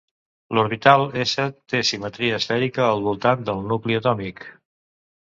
L'orbital s té simetria esfèrica al voltant del nucli atòmic.